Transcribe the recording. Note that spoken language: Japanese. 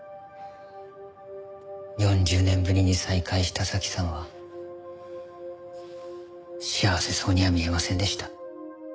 ４０年ぶりに再会した早紀さんは幸せそうには見えませんでした。